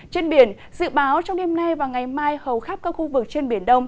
trên biển dự báo trong đêm nay và ngày mai hầu khắp các khu vực trên biển đông